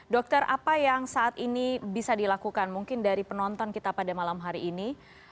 dokter apa yang saat ini bisa dilakukan mungkin dari penonton kita pada malam hari ini